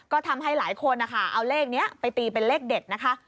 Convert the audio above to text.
ก็ทำให้หลายคนนะคะเอาเลขนี้ไปตีเป็นเลขเด็ดนะคะ